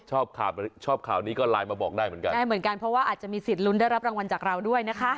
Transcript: ชอบข่าวนี้ก็ไลน์มาบอกได้เหมือนกันได้เหมือนกันเพราะว่าอาจจะมีสิทธิลุ้นได้รับรางวัลจากเราด้วยนะคะ